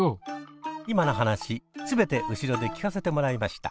今の話全て後ろで聞かせてもらいました。